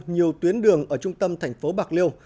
nhiều tuyến đường ở trung tâm thành phố bạc liêu